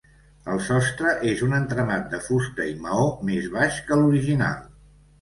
El sostre és un entramat de fusta i maó, més baix que l'original.